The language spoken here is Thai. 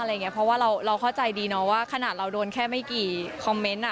อะไรอย่างนี้เพราะว่าเราเข้าใจดีนะว่าขนาดเราโดนแค่ไม่กี่คอมเมนต์น่ะ